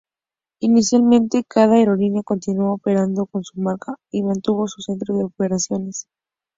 Inicialmente, cada aerolínea continuó operando con su marca y mantuvo su centro de operaciones.